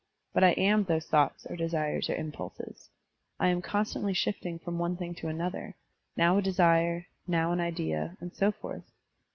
But I am those thoughts or desires or impulses. I am constantly shifting from one thing to another, now a desire, now an idea, and so forth.